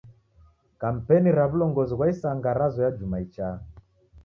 Kampeni ra w'ulongozi ghwa isanga razoya juma ichaa.